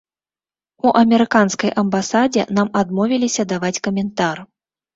У амерыканскай амбасадзе нам адмовіліся даваць каментар.